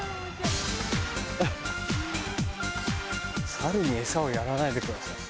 「猿に餌をやらないでください」。